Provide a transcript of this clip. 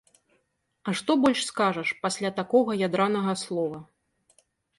А што больш скажаш пасля такога ядранага слова!